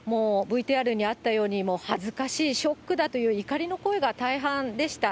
もうＶＴＲにあったように、恥ずかしい、ショックだという怒りの声が大半でした。